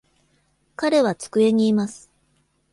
彼は机にいます。